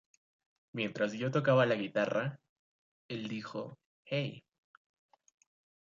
Mientras yo tocaba la guitarra, el dijo "Hey!